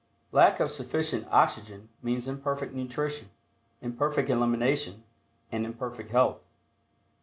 Lack of sufficient oxygen means Imperfect nutrition, Imperfect elimination and imperfect health.